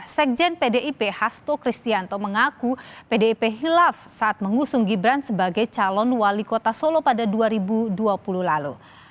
sekjen pdip hasto kristianto mengaku pdip hilaf saat mengusung gibran sebagai calon wali kota solo pada dua ribu dua puluh lalu